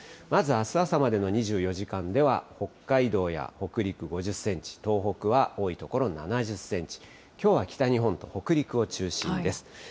まず、あす朝までの２４時間では、北海道や北陸５０センチ、東北は多い所７０センチ、きょうは北日本と北陸を中心です。